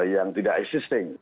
yang tidak existing